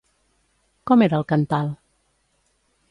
Com era el cantal?